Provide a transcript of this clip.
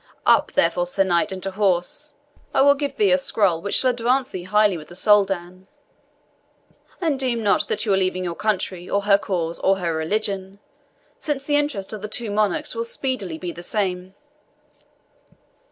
Up, therefore, Sir Knight, and to horse. I will give thee a scroll which shall advance thee highly with the Soldan; and deem not that you are leaving your country, or her cause, or her religion, since the interest of the two monarchs will speedily be the same.